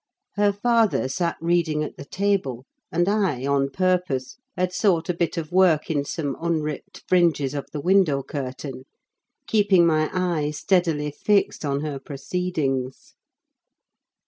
Her father sat reading at the table; and I, on purpose, had sought a bit of work in some unripped fringes of the window curtain, keeping my eye steadily fixed on her proceedings.